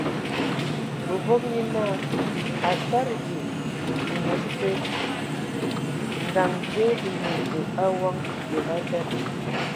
Bǝvɔg nye naa a tadigi amos te, ngaŋ dzie e ne ve awon, və abed.